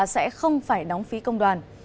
sẽ không phải đóng phí công đoàn